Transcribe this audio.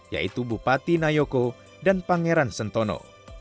yaitu bupati nayoko dan pangeran sentono